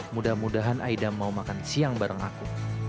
mudah mudahan aida mau makan siang bareng aku